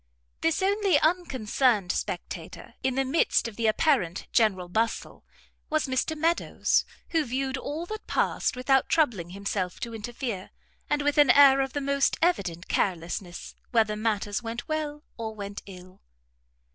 This only unconcerned spectator in the midst of the apparent general bustle, was Mr Meadows; who viewed all that passed without troubling himself to interfere, and with an air of the most evident carelessness whether matters went well or went ill.